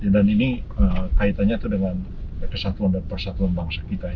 dan ini kaitannya dengan kesatuan dan persatuan bangsa kita